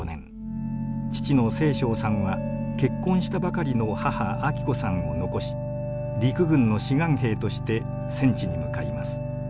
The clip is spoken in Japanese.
父の盛松さんは結婚したばかりの母秋子さんを残し陸軍の志願兵として戦地に向かいます。